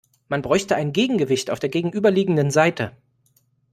Man bräuchte ein Gegengewicht auf der gegenüberliegenden Seite.